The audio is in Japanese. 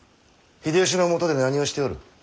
秀吉のもとで何をしておる？